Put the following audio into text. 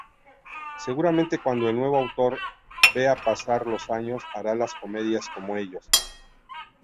Seguramente cuando el nuevo autor vea pasar los años hará las comedias como ellos.